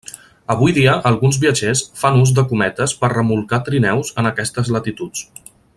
Avui dia alguns viatgers fan ús de cometes per remolcar trineus en aquestes latituds.